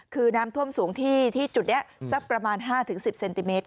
คือน้ำท่วมสูงที่จุดนี้สักประมาณ๕๑๐เซนติเมตร